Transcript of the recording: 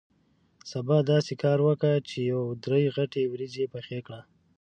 سبا داسې کار وکه چې یو درې غټې وریجې پخې کړې.